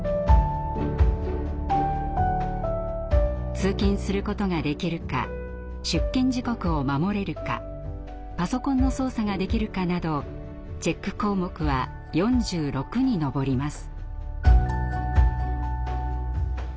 通勤することができるか出勤時刻を守れるかパソコンの操作ができるかなどチェック項目は４６に上ります。